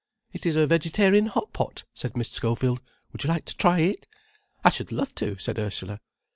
"It is vegetarian hot pot," said Miss Schofield. "Would you like to try it?" "I should love to," said Ursula.